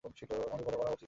আমাদের বোঝাপড়া ভালই ছিল।